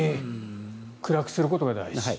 暗くすることが大事。